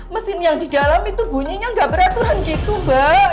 mesin yang di dalam itu bunyinya nggak peraturan gitu mbak